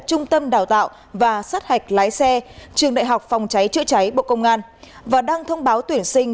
trung tâm đào tạo và sát hạch lái xe trường đại học phòng trái trợ trái bộ công an và đăng thông báo tuyển sinh